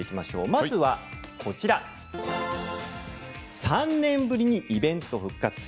まずは３年ぶりにイベントが復活。